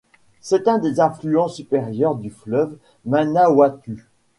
C’est un des affluents supérieurs du fleuve Manawatu.